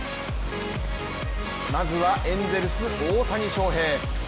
まずはエンゼルス・大谷翔平。